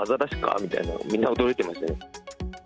みたいな、みんな驚いてましたね。